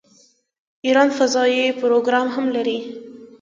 ایران فضايي پروګرام هم لري.